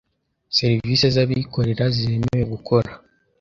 serivisi z’abikorera zemerewe gukora